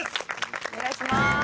お願いします。